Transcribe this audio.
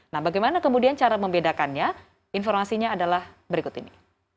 nah bagaimana kemudian cara membedakannya informasinya adalah berikut ini